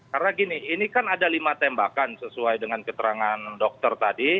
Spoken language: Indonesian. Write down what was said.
karena gini ini kan ada lima tembakan sesuai dengan keterangan dokter tadi